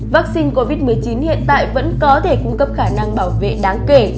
vaccine covid một mươi chín hiện tại vẫn có thể cung cấp khả năng bảo vệ đáng kể